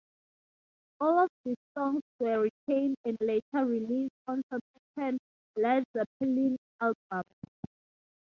All of these songs were retained and later released on subsequent Led Zeppelin albums.